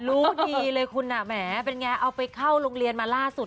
รู้ดีเลยคุณแหมเป็นไงเอาไปเข้าโรงเรียนมาล่าสุด